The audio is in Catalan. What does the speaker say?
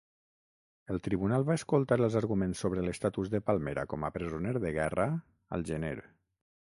El tribunal va escoltar els arguments sobre l'estatus de Palmera com a presoner de guerra al gener.